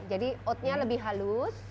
jadi oatnya lebih halus